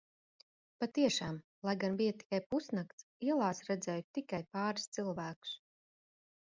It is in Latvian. Patiešām, lai gan bija tikai pusnakts, ielās redzēju tikai pāris cilvēkus.